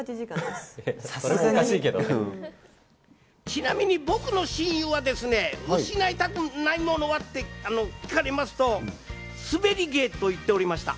ちなみに僕の親友は失いたくないものは？と聞かれますと、スベり芸と言っておりました。